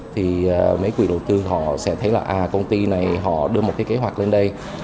thì mấy quý đầu tư họ sẽ thấy là công ty này họ đưa một kế hoạch lên đây